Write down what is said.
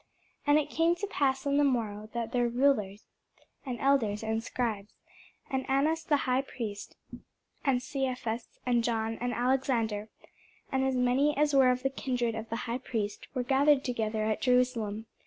And it came to pass on the morrow, that their rulers, and elders, and scribes, and Annas the high priest, and Caiaphas, and John, and Alexander, and as many as were of the kindred of the high priest, were gathered together at Jerusalem.